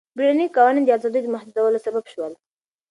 بیړني قوانین د ازادیو د محدودولو سبب شول.